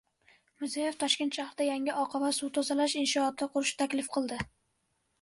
Mirziyoyev Toshkent shahrida yangi oqava suv tozalash inshootini qurishni taklif qildi